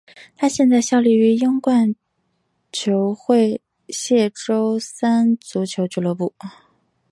他现在效力于英冠球会谢周三足球俱乐部。